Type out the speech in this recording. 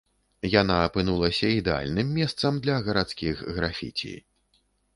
Яна апынулася ідэальным месцам для гарадскіх графіці.